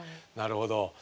なるほど。